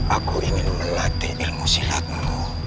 aku ingin melatih ilmu silatmu